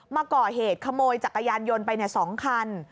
มาก่อเหตุขโมยจักรยานยนต์ไป๒คัน